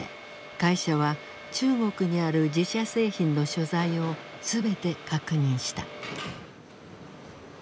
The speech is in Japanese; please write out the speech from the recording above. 会社は中国にある自社製品の所在を全て確認した。